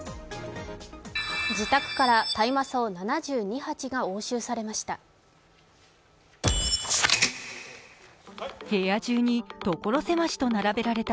自宅から大麻草７２鉢が押収されました。